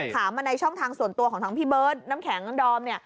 ถามมาในช่องทางส่วนตัวของทั้งพี่เบิร์ตน้ำแข็งน้ำดอมเนี่ย